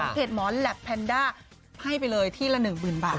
ของเพจหมอแหลปแพนด้าให้ไปเลยที่ละหนึ่งหมื่นบาทค่ะ